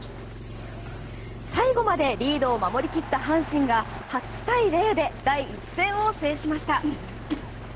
最後までリードを守り切った阪神が８対０で第１戦を制しました。